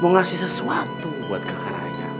mau ngasih sesuatu buat kakak raya